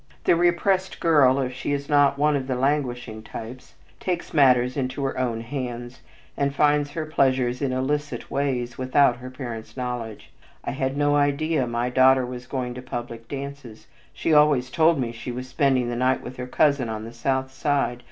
The repressed girl, if she is not one of the languishing type, takes matters into her own hands, and finds her pleasures in illicit ways, without her parents' knowledge. "I had no idea my daughter was going to public dances. She always told me she was spending the night with her cousin on the South Side.